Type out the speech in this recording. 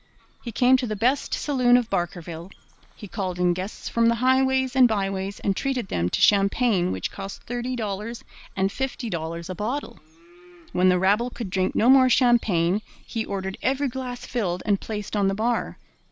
He came to the best saloon of Barkerville. He called in guests from the highways and byways and treated them to champagne which cost thirty dollars and fifty dollars a bottle. When the rabble could drink no more champagne, he ordered every glass filled and placed on the bar.